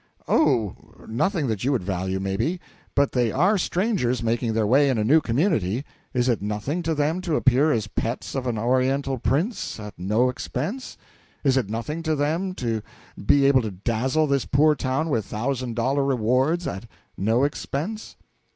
Oh, nothing that you would value, maybe. But they are strangers making their way in a new community. Is it nothing to them to appear as pets of an Oriental prince at no expense? Is it nothing to them to be able to dazzle this poor little town with thousand dollar rewards at no expense?